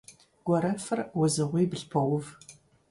Гуэрэфыр узыгъуибл поув.